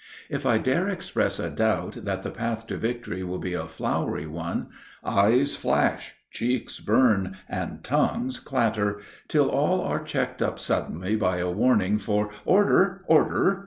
If I dare express a doubt that the path to victory will be a flowery one, eyes flash, cheeks burn, and tongues clatter, till all are checked up suddenly by a warning for "Order, order!"